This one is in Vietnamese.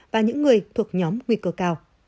và những người thuộc nhóm nguy cơ cao